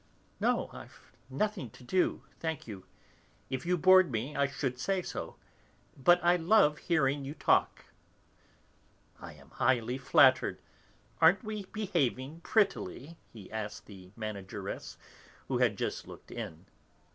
"No, I've nothing to do, thank you. If you bored me I should say so. But I love hearing you talk." "I am highly flattered.... Aren't we behaving prettily?" he asked the 'manageress,' who had just looked in.